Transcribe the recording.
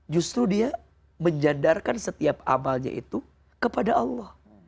justru dia menjandarkan setiap amalnya itu kepada allah